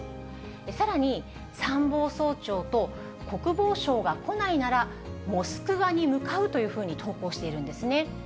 さらに参謀総長と国防相が来ないなら、モスクワに向かうというふうに投稿しているんですね。